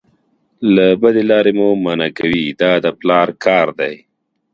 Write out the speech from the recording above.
له بدې لارې مو منع کوي دا د پلار کار دی.